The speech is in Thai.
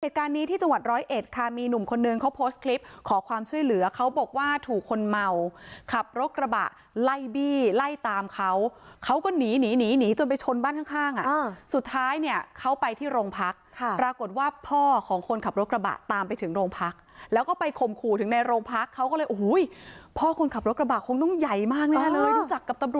เหตุการณ์นี้ที่จังหวัดร้อยเอ็ดค่ะมีหนุ่มคนนึงเขาโพสต์คลิปขอความช่วยเหลือเขาบอกว่าถูกคนเมาขับรถกระบะไล่บี้ไล่ตามเขาเขาก็หนีหนีหนีจนไปชนบ้านข้างข้างอ่ะสุดท้ายเนี่ยเขาไปที่โรงพักค่ะปรากฏว่าพ่อของคนขับรถกระบะตามไปถึงโรงพักแล้วก็ไปข่มขู่ถึงในโรงพักเขาก็เลยโอ้โหพ่อคนขับรถกระบะคงต้องใหญ่มากแน่เลยรู้จักกับตำรวจ